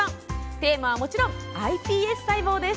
テーマは、もちろん「ｉＰＳ細胞」です。